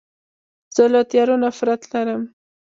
زه له تیارو نفرت لرم.